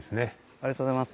ありがとうございます。